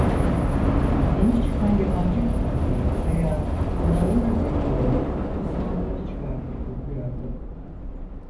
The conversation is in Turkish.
Yeni çıkan yabancı kitapları veya bunların özetlerini uzmanlara çıkarttırıp okuyordu.